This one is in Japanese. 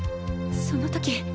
その時。